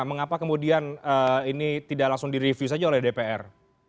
mengapa kemudian ini tidak langsung direview saja oleh dpr